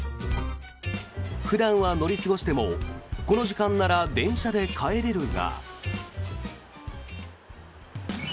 普段は乗り過ごしてもこの時間なら電車で帰れるが。